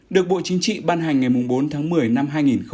được bộ chính trị ban hành ngày bốn tháng một mươi năm hai nghìn hai mươi ba